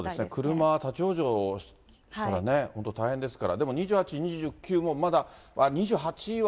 車、立往生したらね、本当大変ですから、でも２８、２９もまだ、２８は。